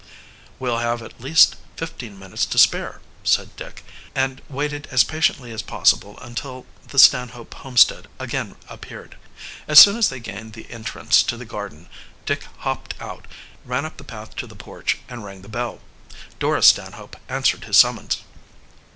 "We'll have at least fifteen minutes to spare," said Dick, and waited as patiently as possible until the Stanhope homestead again appeared. As soon as they gained the entrance to the garden, Dick hopped out, ran up the path to the porch, and rang the bell. Dora Stanhope answered his summons.